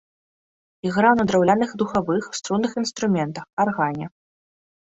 Іграў на драўляных духавых, струнных інструментах, аргане.